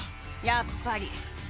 やっぱり。